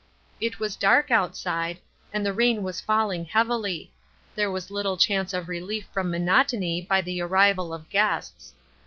It was dark outside, and the rain was falling heavily ; there was little chance of rehef from monotony by the arrival of guests.